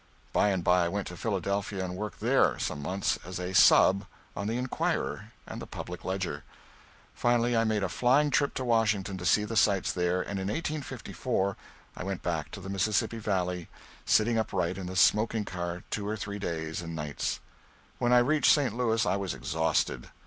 By and by I went to Philadelphia and worked there some months as a "sub" on the "Inquirer" and the "Public Ledger." Finally I made a flying trip to Washington to see the sights there, and in 1854 I went back to the Mississippi Valley, sitting upright in the smoking car two or three days and nights. When I reached St. Louis I was exhausted.